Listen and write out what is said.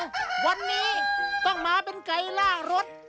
วันนี้ต้องมาเป็นไก่ล่ารถ